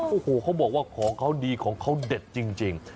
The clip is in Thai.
โอ้โหเขาบอกว่าของเขาดีของเขาเด็ดจริง